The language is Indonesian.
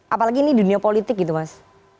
apalagi ini dunia politik gitu mas